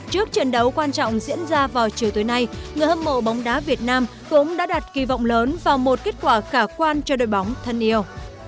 trước trận đấu quan trọng diễn ra vào chiều tối nay người hâm mộ bóng đá việt nam cũng đã đặt kỳ vọng lớn vào một kết quả khả quan cho đội bóng thân yêu